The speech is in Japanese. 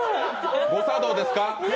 誤作動ですか？